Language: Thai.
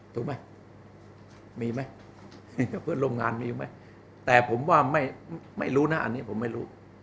ถูกไหมมีไหมมีกับเพื่อนร่วมงานมีไหมแต่ผมว่าไม่รู้นะอันนี้ผมไม่รู้